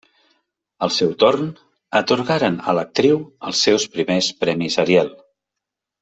Al seu torn, atorgaren a l'actriu els seus primers Premis Ariel.